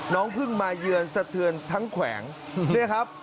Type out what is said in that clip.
เพิ่งมาเยือนสะเทือนทั้งแขวงเนี่ยครับ